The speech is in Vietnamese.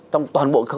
trong toàn bộ